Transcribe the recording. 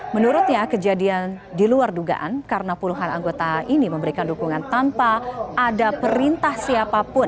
menurutnya kejadian di luar dugaan karena puluhan anggota ini memberikan dukungan tanpa ada perintah siapapun